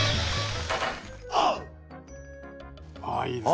あいいですね。